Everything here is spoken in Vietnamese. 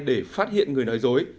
để phát hiện người nói dối